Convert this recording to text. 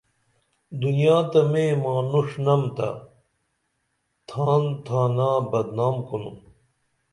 دنیا تہ میں مانوݜ نم تہ تھان تھانا بدنام کنُن